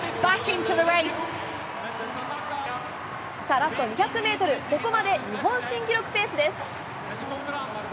ラスト２００ｍ、ここまで日本新記録ペースです。